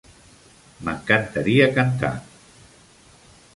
M'encantaria cantar.